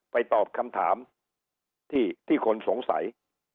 ตอบคำถามที่คนสงสัย